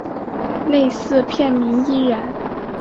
类似片名一览